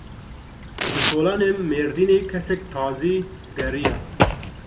Li kolanên Mêrdînê kesek tazî geriya.